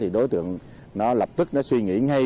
đối tượng lập tức suy nghĩ ngay